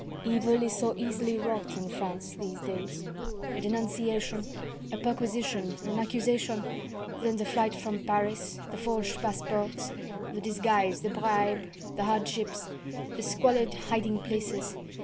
Evil is so easily wrought in France these days. A denunciation a perquisition an accusation then the flight from Paris... the forged passports... the disguise... the bribe... the hardships... the squalid hiding places....